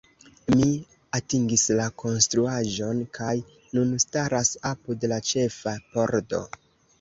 Mi atingis la konstruaĵon, kaj nun staras apud la ĉefa pordo.